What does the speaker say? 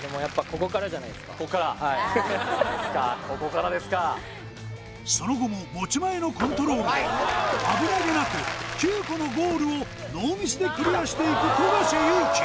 ここからそうですかここからですかその後も持ち前のコントロールで危なげなく９個のゴールをノーミスでクリアしていく富樫勇樹